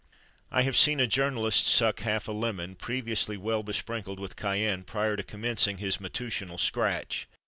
I have seen a journalist suck half a lemon, previously well besprinkled with cayenne, prior to commencing his matutinal "scratch."